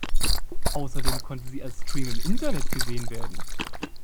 Außerdem konnte sie als Stream im Internet gesehen werden.